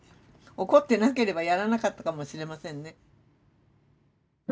怒ってなければやらなかったかもしれませんね。